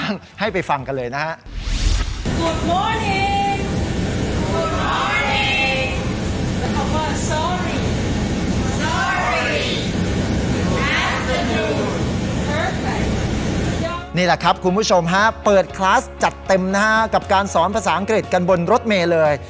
นี่แหละครับคุณผู้ชมฮะเปิดคลาสจัดเต็มนะฮะกับการสอนภาษาอังกฤษกันบนรถเมย์เลย